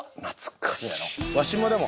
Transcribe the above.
わしもでも。